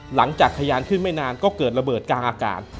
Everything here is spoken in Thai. จักรยานขึ้นไม่นานก็เกิดระเบิดกลางอากาศ